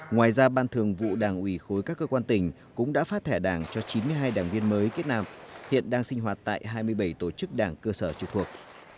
ngoài ra ban thường vụ đảng ủy khối các cơ quan tỉnh cũng đã phát thẻ đảng cho chín mươi hai đảng viên mới kết nạp hiện đang sinh hoạt tại hai mươi bảy tổ chức đảng cơ sở trục thuộc